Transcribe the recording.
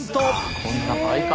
こんな倍か！